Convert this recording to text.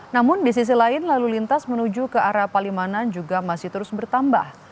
namun di sisi lain lalu lintas menuju ke arah palimanan juga masih terus bertambah